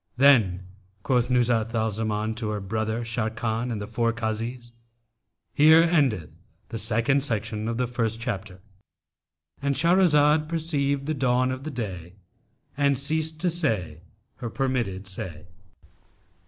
Then quoth Nuzhat al Zaman to her brother Sharrkan and the four Kazis, "Here endeth the second section of the first chapter."—And Shahrazad perceived the dawn of day and ceased to say her permitted say.